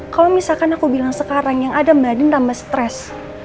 kalau misalkan aku bilang sekarang yang ada mbak di nambah stres